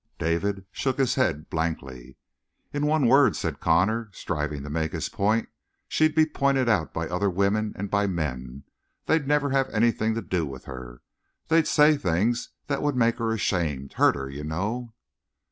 David shook his head blankly. "In one word," said Connor, striving to make his point, "she'd be pointed out by other women and by men. They'd never have anything to do with her. They'd say things that would make her ashamed, hurt her, you know."